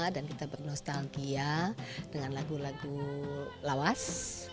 dan kita bernostalgia dengan lagu lagu lawas